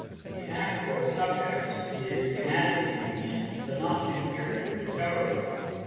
The act, or subject, is schematically convenient, but not empirically discoverable.